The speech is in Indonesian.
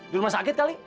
di rumah sakit kali